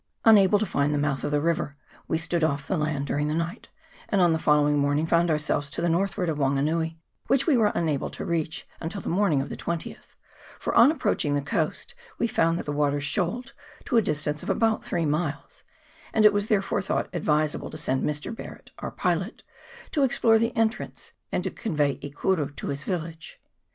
Unable to find the mouth of the river, we stood off the land during the night, and on the following morning found ourselves to the northward of Wan ganui, which we were unable to reach until the morning of the 20th ; for on approaching the coast we found that the water shoaled to a distance of about three miles ; and it was therefore thought advisable to send Mr. Barret, our pilot, to explore the entrance, and to convey E Kuru to his village.